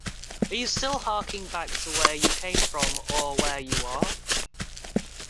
Are you still harking back to where you came from or where you are?